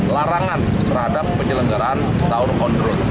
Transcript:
larangan terhadap penyelenggaraan sahur on road